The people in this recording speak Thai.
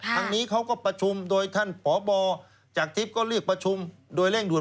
ทางนี้เขาก็ประชุมโดยท่านพบจากทิพย์ก็เรียกประชุมโดยเร่งด่ว